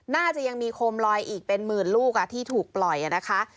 น่าจะยังมีโคมลอยอีกเป็นหมื่นลูกที่ถูกปล่อยนะคะ